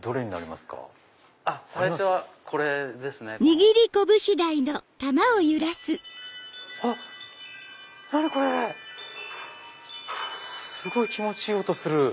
すごい気持ちいい音する。